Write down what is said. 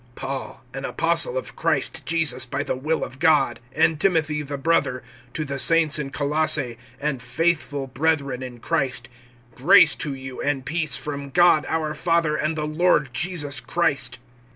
PAUL, an apostle of Christ Jesus by the will of God, and Timothy the brother, (2)to the saints in Colosse, and faithful brethren in Christ: Grace to you, and peace, from God our Father and the Lord Jesus Christ.